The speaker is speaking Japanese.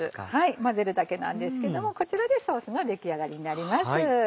混ぜるだけなんですけどもこちらでソースの出来上がりになります。